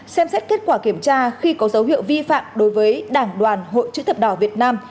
xem xét kết quả kiểm tra khi có dấu hiệu vi phạm đối với đảng đoàn hội chữ thập đỏ việt nam